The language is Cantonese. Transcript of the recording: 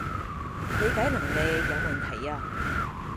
理解能力有問題呀？